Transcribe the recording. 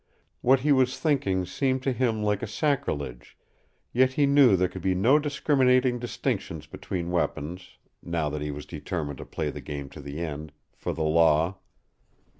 What he was thinking seemed to him like a sacrilege, yet he knew there could be no discriminating distinctions between weapons, now that he was determined to play the game to the end, for the Law.